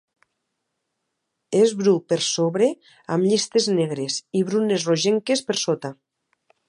És bru per sobre amb llistes negres i brunes rogenques per sota.